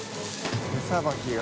手さばきが。